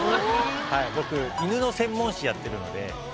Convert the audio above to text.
僕犬の専門誌やってるので。